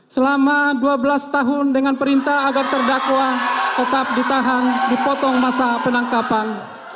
selama dua belas tahun dengan perintah agar terdakwa tetap ditahan dipotong masa penangkapan